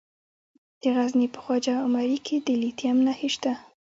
د غزني په خواجه عمري کې د لیتیم نښې شته.